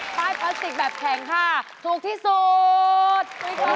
พลาสติกแบบแข็งค่ะถูกที่สุด